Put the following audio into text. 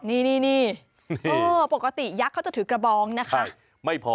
นี่โอ้โฮปกติยักษ์เขาจะถือกระบองนะครับ